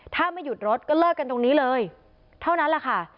ถ้าไม่หยุดรถก็เลิกกันตรงนี้เลยเท่านั้นแหละค่ะ